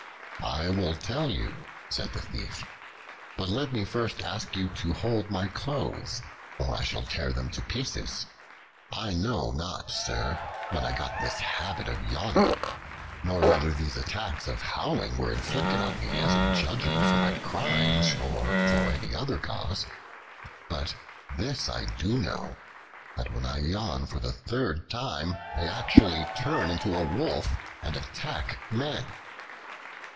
"I will tell you," said the Thief, "but first let me ask you to hold my clothes, or I shall tear them to pieces. I know not, sir, when I got this habit of yawning, nor whether these attacks of howling were inflicted on me as a judgment for my crimes, or for any other cause; but this I do know, that when I yawn for the third time, I actually turn into a wolf and attack men."